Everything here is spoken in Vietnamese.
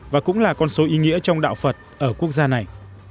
và cũng là con số ý nghĩa trong đạo phật ở quốc gia này